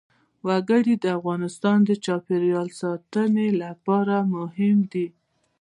وګړي د افغانستان د چاپیریال ساتنې لپاره مهم دي.